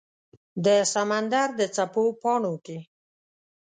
د سمندردڅپو پاڼو کې